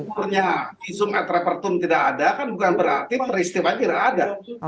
kalau alat buktinya visum et reper tum tidak ada kan bukan berarti peristiwa tidak ada